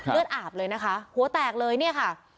เลือดอาบเลยนะคะหัวแตกเลยเนี่ยค่ะ